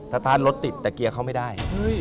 ตาร์ทรถติดแต่เกียร์เขาไม่ได้